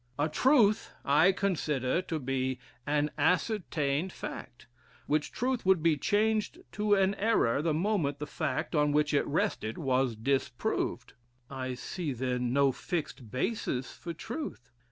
A truth I consider to be an ascertained fact; which truth would be changed to an error, the moment the fact, on which it rested, was disproved." "I see, then, no fixed basis for truth."